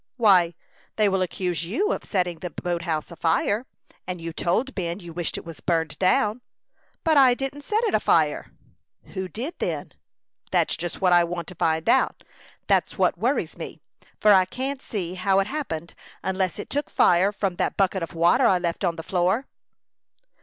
"Why, they will accuse you of setting the boat house afire; and you told Ben you wished it was burned down." "But I didn't set it afire." "Who did, then?" "That's just what I want to find out. That's what worries me; for I can't see how it happened, unless it took fire from that bucket of water I left on the floor."